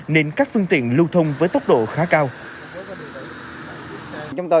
nên các phương tiện lưu thông với tốc độ khá cao